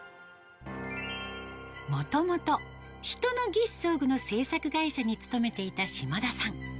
もともと、人の義肢装具の製作会社に勤めていた島田さん。